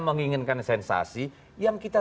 menginginkan sensasi yang kita